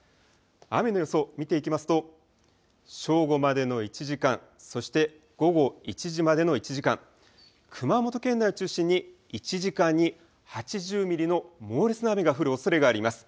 雨の予想、見ていきますと正午までの１時間、そして午後１時までの１時間、熊本県内を中心に１時間に８０ミリの猛烈な雨が降るおそれがあります。